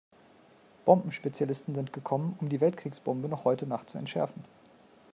Bombenspezialisten sind gekommen, um die Weltkriegsbombe noch heute Nacht zu entschärfen.